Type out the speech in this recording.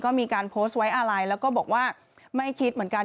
ก็มีการโพสต์ไว้อะไรแล้วก็บอกว่าไม่คิดเหมือนกัน